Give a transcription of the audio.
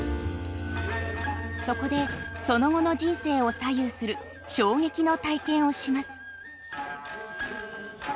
そこでその後の人生を左右する衝撃の体験をします。